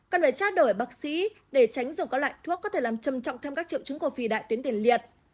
cần phải trao đổi bác sĩ để tránh dùng các loại thuốc có thể làm trầm trọng thêm các triệu chứng của phi đại tuyến đền liệt